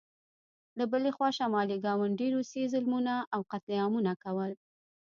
له بلې خوا شمالي ګاونډي روسیې ظلمونه او قتل عامونه کول.